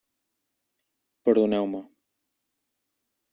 Perdoneu-me.